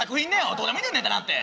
どうでもいいんだよネタなんて。